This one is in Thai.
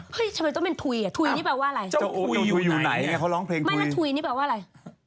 เฮ้ยทำไมต้องเป็นถุยถุยนี่แปลว่าอะไร